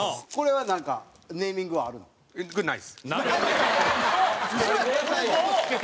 はい！